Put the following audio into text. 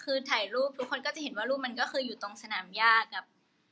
คือถ่ายรูปทุกคนก็จะเห็นว่ารูปมันก็คืออยู่ตรงสนามญาติกับ